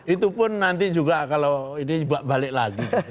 itu pun nanti juga kalau ini balik lagi